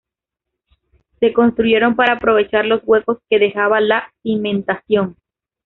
Se construyeron para aprovechar los huecos que dejaba la cimentación.